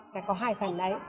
phải có hai phần đấy